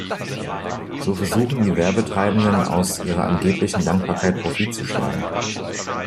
So versuchen die Werbetreibenden aus ihrer angeblichen Dankbarkeit Profit zu schlagen.